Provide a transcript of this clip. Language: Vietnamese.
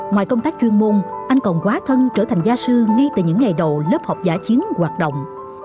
ngoài công tác chuyên môn anh còn quá thân trở thành gia sư ngay từ những ngày đầu lớp học giả chiến hoạt động